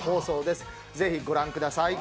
ぜひご覧ください。